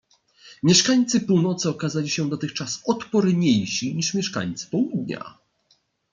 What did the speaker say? "Mieszkańcy północy okazali się dotychczas odporniejsi niż mieszkańcy południa."